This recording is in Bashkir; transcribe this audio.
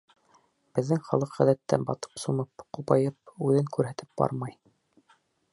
Беҙҙең халыҡ ғәҙәттә батып-сумып, ҡупайып, үҙен күрһәтеп бармай.